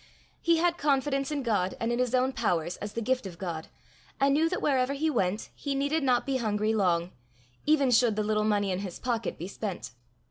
He had confidence in God and in his own powers as the gift of God, and knew that wherever he went he needed not be hungry long, even should the little money in his pocket be spent.